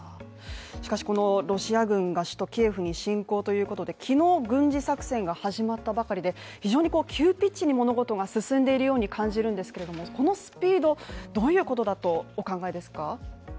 しかしこのロシア軍が首都キエフに侵攻ということで昨日軍事作戦が始まったばかりで非常に急ピッチに物事が進んでいるように感じるんですけれどもこのスピード、どういうことだとお考えですか？